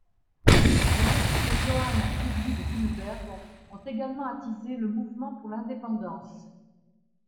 Les écrits de Johan Ludvig Runeberg ont également attisé le mouvement pour l'indépendance.